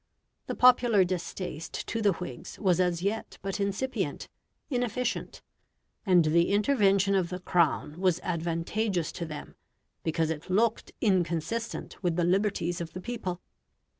The popular distaste to the Whigs was as yet but incipient, inefficient; and the intervention of the Crown was advantageous to them, because it looked inconsistent with the liberties of the people.